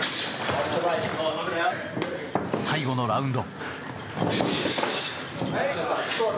最後のラウンド。